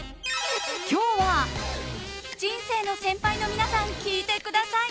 今日は、人生の先輩の皆さん聞いてください。